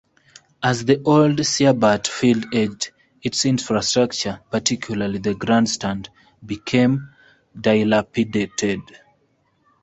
As the old Siebert Field aged, its infrastructure, particularly the grandstand, became dilapidated.